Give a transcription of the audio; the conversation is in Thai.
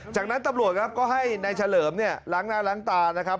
จากนั้นตำรวจครับก็ให้นายเฉลิมเนี่ยล้างหน้าล้างตานะครับ